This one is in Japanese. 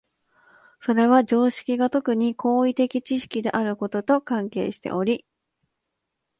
それは常識が特に行為的知識であることと関係しており、